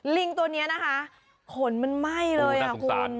ลิงตัวเนี่ยนะคะผลมันไหม้เลยคุณ